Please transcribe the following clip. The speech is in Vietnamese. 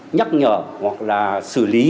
nhắc nhở hoặc là xử lý